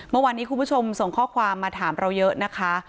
เมื่อวานนี้คุณผู้ชมส่งข้อความมาถามเราเยอะนะคะ